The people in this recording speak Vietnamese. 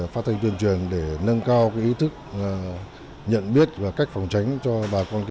phát thanh tuyên truyền để nâng cao ý thức nhận biết và cách phòng tránh cho bà con